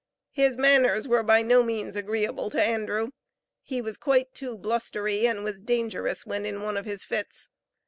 His manners were by no means agreeable to Andrew; he was quite too "blustery," and was dangerous when in one of his fits.